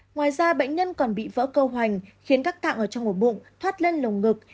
ngoài ra bệnh nhân còn bị vỡ câu hoành khiến các tạng ở trong một bụng thoát lên lồng ngực